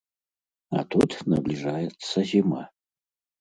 А тут набліжаецца зіма.